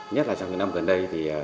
nhất là trong những năm gần đây